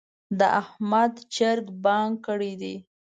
د احمد چرګ بانګ کړی دی.